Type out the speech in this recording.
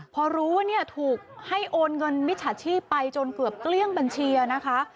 พอรู้ว่าเนี่ยถูกให้โอนเงินมิจฉาชีพไปจนเกือบเกลี้ยงบัญชีนะคะ